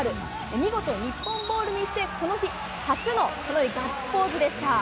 見事、日本ボールにしてこの日、初のガッツポーズでした。